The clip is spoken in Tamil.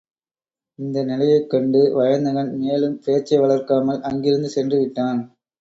இந்த நிலையைக் கண்டு வயந்தகன் மேலும் பேச்சை வளர்க்காமல் அங்கிருந்து சென்றுவிட்டான்.